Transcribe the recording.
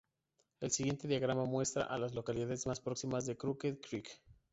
El siguiente diagrama muestra a las localidades más próximas a Crooked Creek.